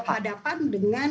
ada padapan dengan